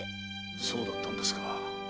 そうだったんですか。